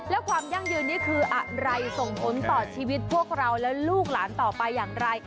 แล้วความยั่งยืนนี้คืออะไรส่งผลต่อชีวิตพวกเราและลูกหลานต่อไปอย่างไร